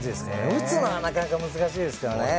打つのはなかなか難しいですからね。